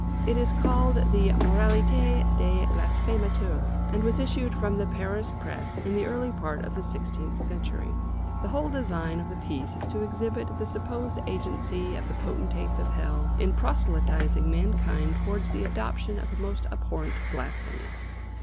It is called the "Moralité des Blasphémateurs," and was issued from the Paris press in the early part of the sixteenth century. The whole design of the piece is to exhibit the supposed agency of the potentates of Hell in proselytising mankind towards the adoption of the most abhorrent blasphemy.